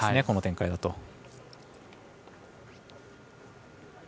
この展開だと。